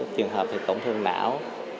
trường hợp thì tổng thương não